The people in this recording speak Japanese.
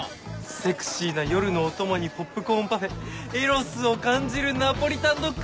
「セクシーな夜のお供にポップコーンパフェエロスを感じるナポリタンドッグ」。